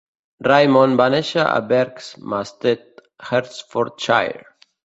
Raymond va néixer a Berkhamsted, Hertfordshire.